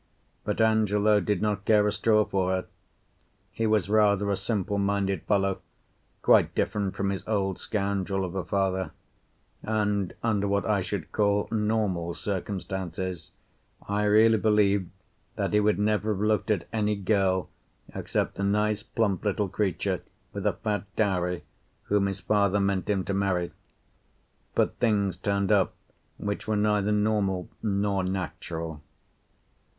But Angelo did not care a straw for her. He was rather a simple minded fellow, quite different from his old scoundrel of a father, and under what I should call normal circumstances I really believe that he would never have looked at any girl except the nice plump little creature, with a fat dowry, whom his father meant him to marry. But things turned up which were neither normal nor natural.